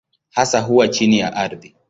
Hasa huwa chini ya ardhi.